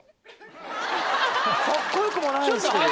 カッコよくもないですけどね。